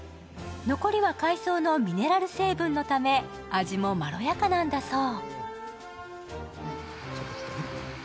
残りは海藻のミネラル成分のため味もまろやかなんだそう。